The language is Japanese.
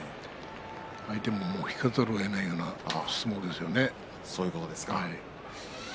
相手も引かざるをえないようなところですね。